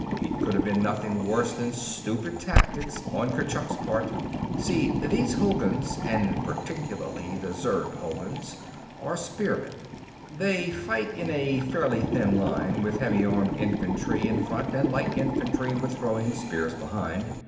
It could have been nothing worse than stupid tactics on Kurchuk's part. See, these Hulguns, and particularly the Zurb Hulguns, are spearmen. They fight in a fairly thin line, with heavy armed infantry in front and light infantry with throwing spears behind.